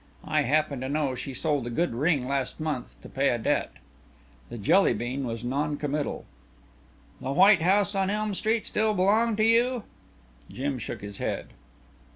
I happen to know she sold a good ring last month to pay a debt." The Jelly bean was noncommittal. "The white house on Elm Street still belong to you?" Jim shook his head.